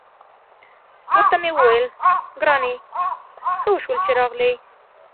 ورته مې وویل: ګرانې، ښه وشول چې راغلې.